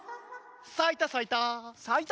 さいたさいた。